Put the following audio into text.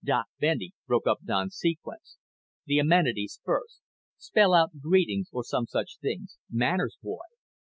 Doc Bendy broke up Don's sequence. "The amenities first. Spell out 'Greetings,' or some such things. Manners, boy."